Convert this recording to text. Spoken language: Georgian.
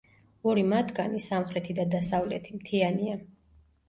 ორი მათგანი, სამხრეთი და დასავლეთი, მთიანია.